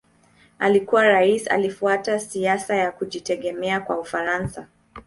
Akiwa rais alifuata siasa ya kujitegemea kwa Ufaransa.